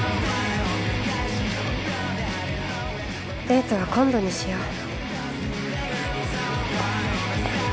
デートは今度にしよう。